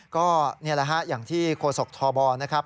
ก็นี่แหละฮะอย่างที่โฆษกทบนะครับ